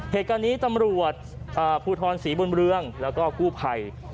เหตุการณ์นี้ตำรวจภูทรศรีบุญเรืองแล้วก็กู้ภัย